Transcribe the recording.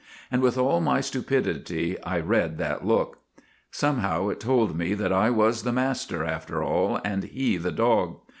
And with all my stupidity I read that look. Somehow it told me that I was the master, after all, and he the dog.